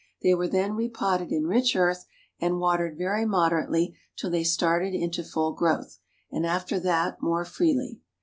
They were then repotted in rich earth and watered very moderately till they started into full growth, and after that more freely.